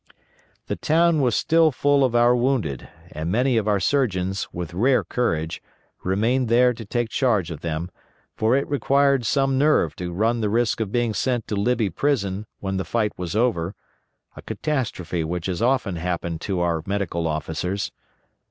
The town was still full of our wounded, and many of our surgeons, with rare courage, remained there to take charge of them, for it required some nerve to run the risk of being sent to Libby prison when the fight was over, a catastrophe which has often happened to our medical officers.